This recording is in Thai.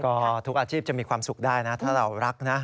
ก็ทุกอาชีพจะมีความสุขได้นะถ้าเรารักนะ